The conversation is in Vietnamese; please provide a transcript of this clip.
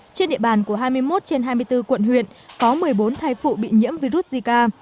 trên địa bàn của hai mươi một trên hai mươi bốn quận huyện có một mươi bốn thai phụ bị nhiễm virus zika